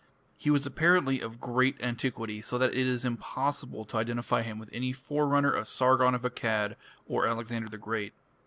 He was apparently of great antiquity, so that it is impossible to identify him with any forerunner of Sargon of Akkad, or Alexander the Great.